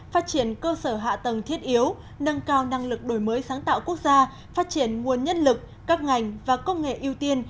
phát triển cơ sở hạ tầng thiết yếu nâng cao năng lực đổi mới sáng tạo quốc gia phát triển nguồn nhân lực các ngành và công nghệ ưu tiên